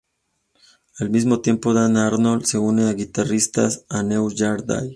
Al mismo tiempo Dan Arnold se une como guitarrista a "New Year's Day".